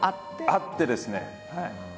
あってですね。